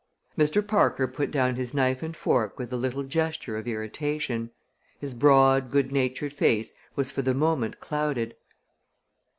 Mr. Parker put down his knife and fork with a little gesture of irritation. His broad, good natured face was for the moment clouded.